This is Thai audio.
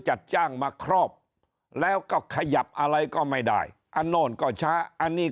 จัดจ้างมาครอบแล้วก็ขยับอะไรก็ไม่ได้อันโน่นก็ช้าอันนี้